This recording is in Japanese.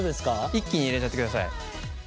一気に入れちゃってください。